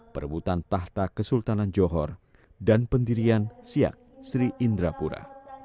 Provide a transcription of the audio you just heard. perebutan tahta kesultanan johor dan pendirian siak sri indrapura